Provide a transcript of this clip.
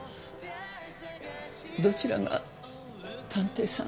どちらが探偵さん？